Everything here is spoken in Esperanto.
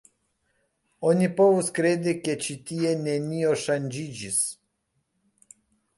Oni povus kredi, ke ĉi tie nenio ŝanĝiĝis.